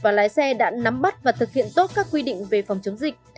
và lái xe đã nắm bắt và thực hiện tốt các quy định về phòng chống dịch